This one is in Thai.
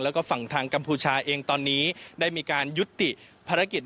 แล้วก็ฝั่งทางกัมพูชาเองตอนนี้ได้มีการยุติภารกิจ